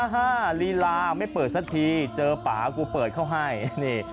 ลีลาไม่เปิดสักทีเจอป่ากูเปิดเขาให้นี่